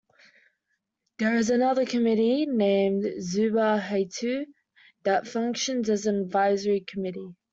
There is another committee named "Zuba-hitu" that functions as an advisory committee.